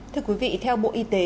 thưa quý vị theo bộ y tế